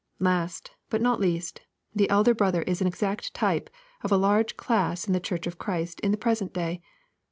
Last, but not least, the elder brother is an exact type of a large class in the Church of Christ in the present day.